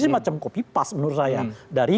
ini macam copy paste menurut saya dari